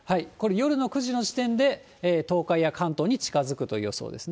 夜の９時の時点で東海や関東に近づくという予想ですね。